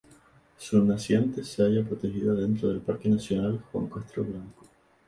Su naciente se halla protegida dentro del parque nacional Juan Castro Blanco.